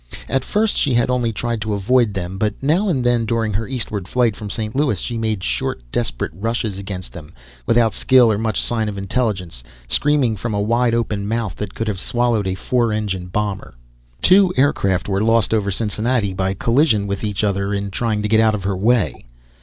At first she had only tried to avoid them, but now and then during her eastward flight from St. Louis she made short desperate rushes against them, without skill or much sign of intelligence, screaming from a wide open mouth that could have swallowed a four engine bomber. Two aircraft were lost over Cincinnati, by collision with each other in trying to get out of her way.